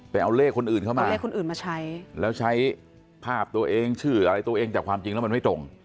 เอาเลขคนอื่นเข้ามาเอาเลขคนอื่นมาใช้แล้วใช้ภาพตัวเองชื่ออะไรตัวเองแต่ความจริงแล้วมันไม่ตรง